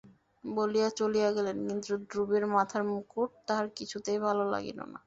বলিয়া চলিয়া গেলেন, কিন্তু ধ্রুবের মাথায় মুকুট তাঁহার কিছুতেই ভালো লাগিল না।